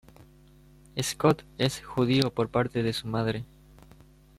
Scott es judío por parte de su madre.